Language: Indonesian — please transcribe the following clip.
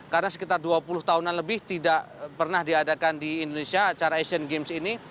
karena sekitar dua puluh tahunan lebih tidak pernah diadakan di indonesia acara asian games ini